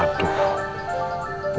tidak ada yang bisa diangkat